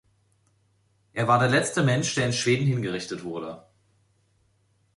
Er war der letzte Mensch, der in Schweden hingerichtet wurde.